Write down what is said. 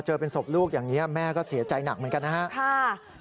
เจอเป็นศพลูกอย่างนี้แม่ก็เสียใจหนักเหมือนกันนะครับ